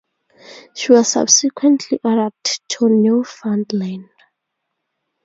She was subsequently ordered to Newfoundland.